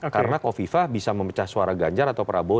karena kofifah bisa memecah suara ganjar atau prabowo